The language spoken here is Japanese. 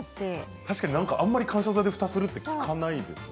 確かに、あまり緩衝材でふたをするって聞かないですよね。